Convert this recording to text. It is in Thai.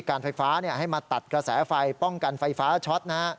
การไฟฟ้าให้มาตัดกระแสไฟป้องกันไฟฟ้าช็อต